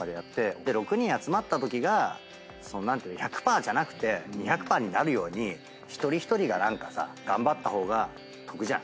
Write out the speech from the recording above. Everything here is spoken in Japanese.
で６人集まったときが１００％じゃなくて２００％になるように一人一人が何かさ頑張った方が得じゃん。